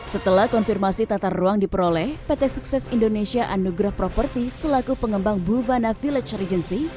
setelah konfirmasi tata ruang diperoleh pt sukses indonesia anugrah property selaku pengembang bulvana village regency